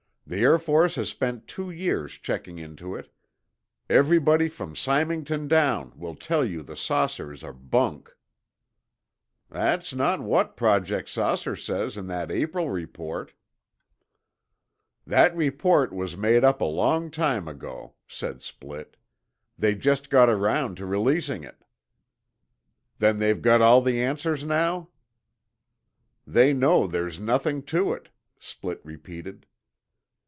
"The Air Force has spent two years checking into it. Everybody from Symington down will tell you the saucers are bunk." "That's not what Project 'Saucer' says in that April report." "That report was made up a long time ago," said Splitt. "They just got around to releasing it." "Then they've got all the answers now?" "They know there's nothing to it," Splitt repeated.